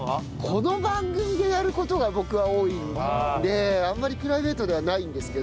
この番組でやる事が僕は多いんであんまりプライベートではないんですけど。